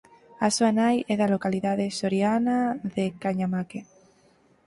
A súa nai é da localidade soriana de Cañamaque.